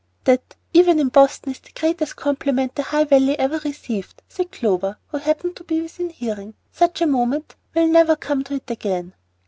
"That 'even in Boston' is the greatest compliment the High Valley ever received," said Clover, who happened to be within hearing. "Such a moment will never come to it again."